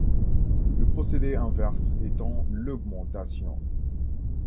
Le procédé inverse étant l'augmentation.